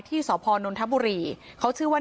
ที่สพนนทบุรีเขาชื่อว่า